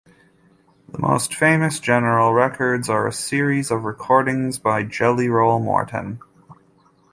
The most famous General Records are a series of recordings by Jelly Roll Morton.